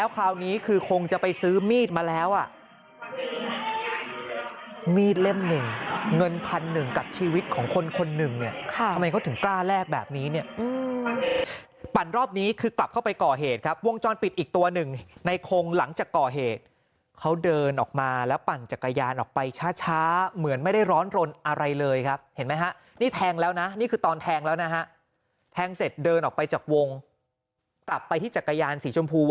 กับชีวิตของคนคนหนึ่งเนี่ยข้ามันก็ถึงกล้าแรกแบบนี้เนี่ยปั่นรอบนี้คือกลับเข้าไปก่อเหตุครับวงจรปิดอีกตัวหนึ่งในโครงหลังจากก่อเหตุเขาเดินออกมาแล้วปั่นจักรยานออกไปช้าเหมือนไม่ได้ร้อนรนอะไรเลยครับเห็นไหมฮะนี่แทงแล้วนะนี่คือตอนแทงแล้วนะฮะแทงเสร็จเดินออกไปจากวงกลับไปที่จักรยานสีชมพ